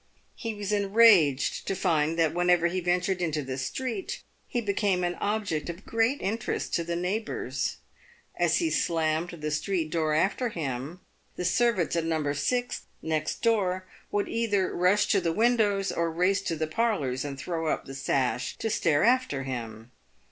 He was enraged to find that, whenever he ventured into the street, he became an object of great interest to the neighbours. As he slammed the street door after him, the servants at No. 6, next door, would either rush to the windows, or race to the parlours and throw up the sash to stare after him.